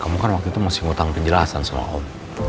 kamu kan waktu itu masih ngutang penjelasan soal